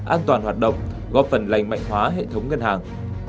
an toàn hoạt động góp phần lành mạnh hóa hệ thống ngân hàng